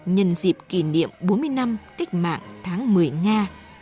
nhân dịp kỷ niệm bốn mươi năm cách mạng tháng một mươi nga